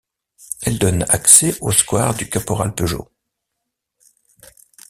Elle donne accès au square du Caporal-Peugeot.